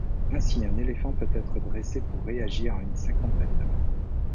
Ainsi un éléphant peut être dressé pour réagir à une cinquantaine de mots.